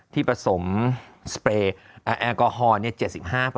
ที่ผสมแอลกอฮอล์เนี่ย๗๕